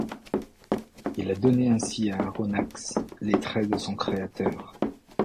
Il a donné ainsi à Aronnax les traits de son créateur.